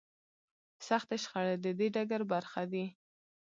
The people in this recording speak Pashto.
سختې شخړې د دې ډګر برخه دي.